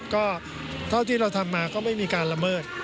ก็เท่าที่เราทำมาก็ไม่มีการละเมิด